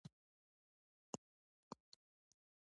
په تګ کې هوسۍ، همداسې هوا کوي، زمري یې هم نشي ښکار کولی.